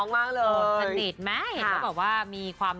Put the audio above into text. แทบจะไม่มีเลยครับ